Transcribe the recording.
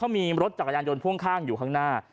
มีรถจักรยานยนต์พ่วงข้างอยู่ข้างหน้า